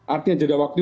artinya jeda waktu